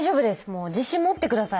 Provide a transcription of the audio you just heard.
もう自信持って下さい。